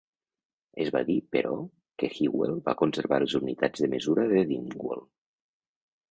Es va dir, però, que Hywel va conservar les unitats de mesura de Dyfnwal.